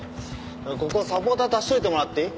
ここサポーター足しておいてもらっていい？